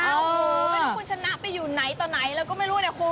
โอ้โหไม่รู้คุณชนะไปอยู่ไหนต่อไหนแล้วก็ไม่รู้เนี่ยคุณ